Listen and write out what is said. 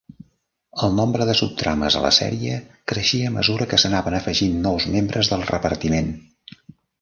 El nombre de subtrames a la sèrie creixia a mesura que s'anaven afegint nous membres del repartiment.